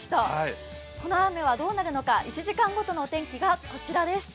この雨はどうなるのか１時間ごとの天気がこちらです。